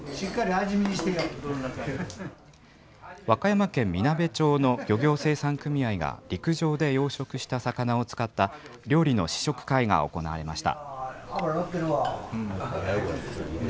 和歌山県みなべ町の漁業生産組合が、陸上で養殖した魚を使った料理の試食会が行われました。